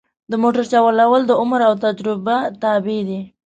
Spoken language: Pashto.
د موټر چلول د عمر او تجربه تابع دي.